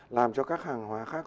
làm cho các hàng hóa khác